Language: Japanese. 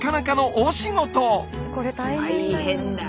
大変だ。